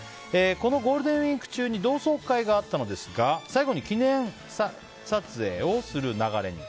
このゴールデンウィーク中に同窓会があったのですが最後に記念撮影をする流れに。